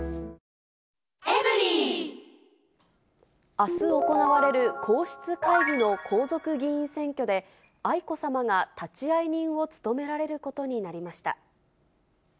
あす行われる皇室会議の皇族議員選挙で、愛子さまが立会人を務められることになりました。